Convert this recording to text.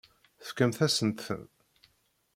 Tefkamt-asent-ten?